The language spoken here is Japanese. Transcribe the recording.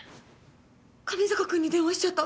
上坂君に電話しちゃった！